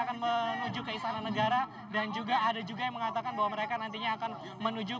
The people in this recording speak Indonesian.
akan menuju ke istana negara dan juga ada juga yang mengatakan bahwa mereka nantinya akan menuju